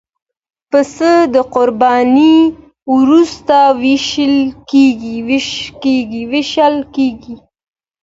پسه د قربانۍ وروسته وېشل کېږي.